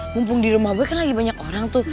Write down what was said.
mumpung di rumah gue kan lagi banyak orang tuh